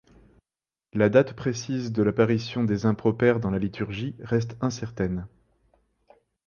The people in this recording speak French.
La date précise de l'apparition des Impropères dans la liturgie reste incertaine.